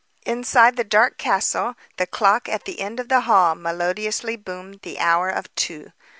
Inside the dark castle the clock at the end of the hall melodiously boomed the hour of two.